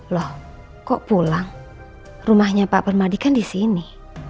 loh kok pulang rumahnya pak permadi kan di sini